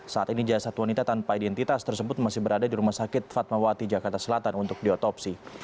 saat ini jasad wanita tanpa identitas tersebut masih berada di rumah sakit fatmawati jakarta selatan untuk diotopsi